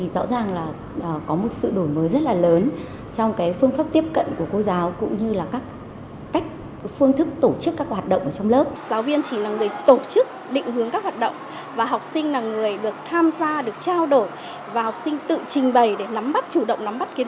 và giáo viên chỉ là người chốt kiến thức đúng